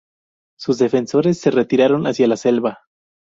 Sus defensores se retiraron hacia la selva.